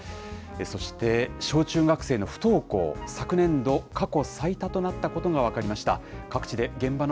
そして小中学生の不登校、昨年度、過去最多となったことが分かりました。